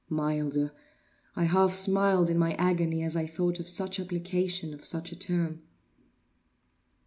Milder! I half smiled in my agony as I thought of such application of such a term.